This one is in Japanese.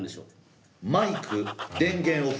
マイク電源オフ。